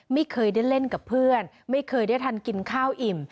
ไม่เคยได้เล่นกับเพื่อนไม่เคยได้ทันกินข้าวอิ่ม